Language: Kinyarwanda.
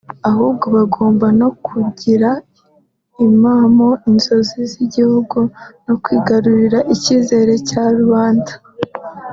ahubwo bagomba no kugira impamo inzozi z’igihugu no kwigarurira icyizere cya rubanda